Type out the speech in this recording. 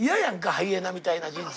ハイエナみたいな人生。